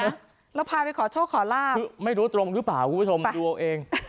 ห่วยนะแล้วพาไปขอโชคขอลาบไม่รู้ตรงหรือเปล่าคุณผู้ชมดูเอาเอง